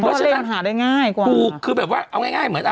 เพราะว่าเลขมันหาได้ง่ายกว่าคือแบบว่าเอาง่ายง่ายเหมือนอ่ะ